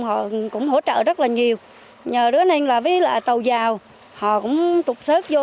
họ cũng hỗ trợ rất là nhiều nhờ đứa này là với tàu dào họ cũng trục sức vô